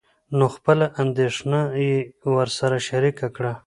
نو خپله اندېښنه يې ورسره شريکه کړه.